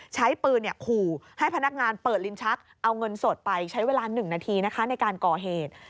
ใช้ปืนขู่ให้พนักงานเปิดลิ้นชักเอาเงินสดไปใช้เวลา๑นาทีนะคะในการก่อเหตุ